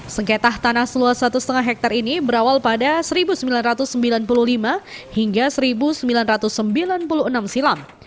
sengketa tanah seluas satu lima hektare ini berawal pada seribu sembilan ratus sembilan puluh lima hingga seribu sembilan ratus sembilan puluh enam silam